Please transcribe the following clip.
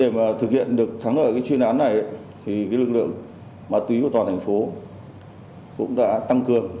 để thực hiện được thắng ở cái chuyên án này thì lực lượng ma túy của toàn thành phố cũng đã tăng cường